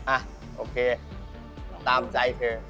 อ่ะโอเคตามใจเธอ